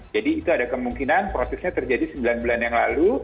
jadi itu ada kemungkinan prosesnya terjadi sembilan bulan yang lalu